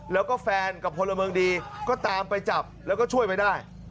แล้วก็แฟนกับพลเมืองดีก็ตามไปจับแล้วก็ช่วยไว้ได้